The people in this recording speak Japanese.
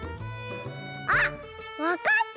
あっわかった！